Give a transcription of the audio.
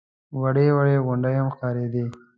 وړې وړې غونډۍ هم ښکارېدې.